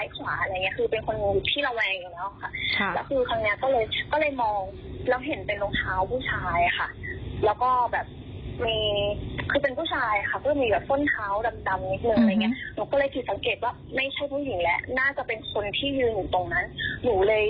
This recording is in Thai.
ก็มีแบบข้นเมี่ยดำนิดหนึ่งอะไรงี้หนูก็เลยถือสังเกตว่าไม่ใช่ผู้หญิงและน่าจะเป็นคนที่ยืนตรงนั้นหนูเลย